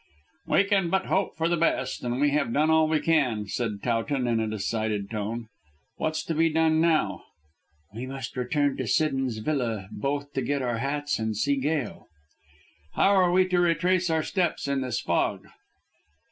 "We can but hope for the best, and we have done all we can," said Towton in a decided tone. "What's to be done now?" "We must return to Siddons Villa, both to get our hats and to see Gail." "How are we to retrace our steps in this fog?"